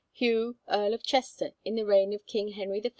Hugh, Earl of Chester, in the reign of King Henry I.